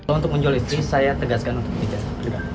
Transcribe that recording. untuk menjual istri saya tegaskan untuk kejahatan